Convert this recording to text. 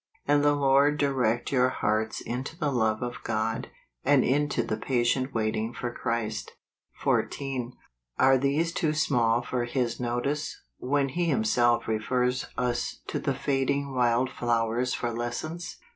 " And the Lord direct your hearts into the love of God , and into the patient waiting for Christ ." 14. Are these too small for His notice, when He Himself refers us to the fading wild flowers for lessons